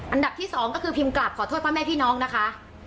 อันดับที่๒ก็คือพิมพ์กลับขอโทษพ่อแม่พี่น้องนะคะ